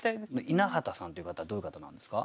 稲畑さんっていう方はどういう方なんですか？